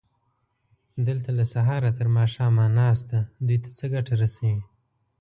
دلته له سهاره تر ماښامه ناسته دوی ته څه ګټه رسوي؟